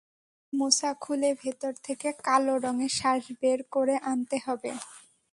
কলার মোচা খুলে ভেতর থেকে কালো রঙের শাঁস বের করে আনতে হবে।